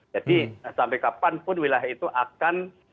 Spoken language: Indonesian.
sampai kapanpun wilayah itu akan